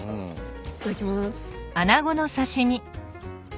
いただきます。